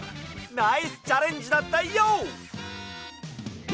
ナイスチャレンジだったＹＯ！